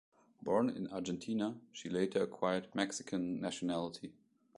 Born in Argentina, she later acquired Mexican nationality.